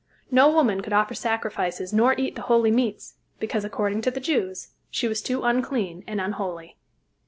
No woman could offer sacrifices nor eat the holy meats because, according to the Jews, she was too unclean and unholy.